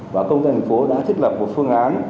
và công dân thành phố đã thiết lập một phương án